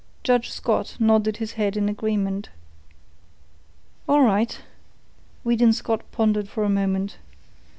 Judge Scott nodded his head in agreement. "All right." Weedon Scott pondered for a moment.